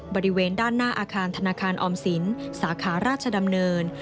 บริเวณด้านหน้าอาคารธนาคารออมสินสาขาราชดำเนิน